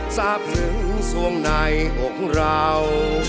ทราบถึงช่วงในอกเรา